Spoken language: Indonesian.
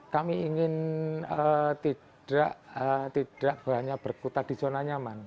kami ingin tidak hanya berkutat di zona nyaman